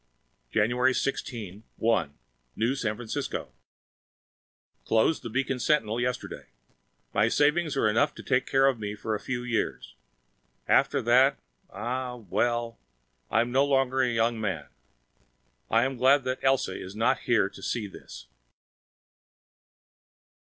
January 16, 1 New San Francisco Closed the Beacon Sentinel yesterday. My savings are enough to take care of me for a few years. After that ah, well, I am no longer a young man. I am glad that Elsa is not here to see this.